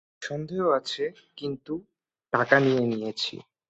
সন্দেহ আছে কিন্তু টাকা নিয়ে নিয়েছি।